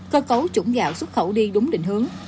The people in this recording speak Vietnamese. cơ cấu chủng gạo xuất khẩu đi đúng định hướng